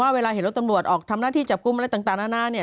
เวลาเห็นรถตำรวจออกทำหน้าที่จับกลุ่มอะไรต่างนานาเนี่ย